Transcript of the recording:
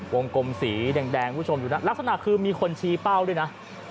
วงกลมสีแดงคุณผู้ชมอยู่นะลักษณะคือมีคนชี้เป้าด้วยนะ